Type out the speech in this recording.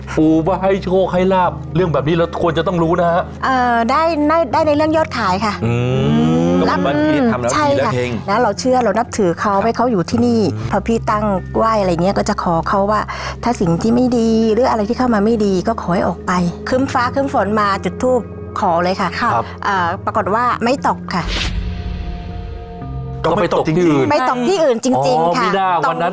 พี่แมวค่ะพี่แมวค่ะพี่แมวค่ะพี่แมวค่ะพี่แมวค่ะพี่แมวค่ะพี่แมวค่ะพี่แมวค่ะพี่แมวค่ะพี่แมวค่ะพี่แมวค่ะพี่แมวค่ะพี่แมวค่ะพี่แมวค่ะพี่แมวค่ะพี่แมวค่ะพี่แมวค่ะพี่แมวค่ะพี่แมวค่ะพี่แมวค่ะพี่แมวค่ะพี่แมวค่ะพี่แมวค่ะพี่แมวค่ะพี่แ